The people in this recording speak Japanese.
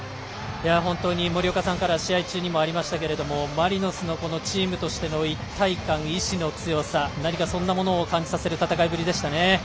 本当に森岡さんからは試合中にもありましたがマリノスのチームとしての一体感意志の強さなにかそんなものを感じさせる戦いぶりでしたね。